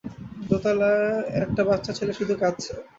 দোতলায় একটা বাচ্চা ছেলে শুধু কাঁদছে।